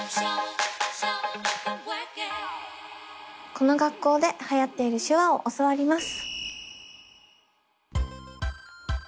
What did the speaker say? この学校ではやっている手話を教わります。